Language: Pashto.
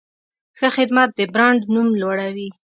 ښه خدمت د برانډ نوم لوړوي.